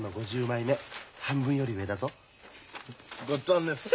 ごっつぁんです。